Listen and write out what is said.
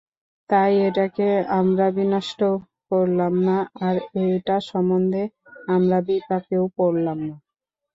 তাই এটাকে আমরা বিনষ্ট করলাম না আর এটা সম্বন্ধে আমরা বিপাকেও পড়লাম না।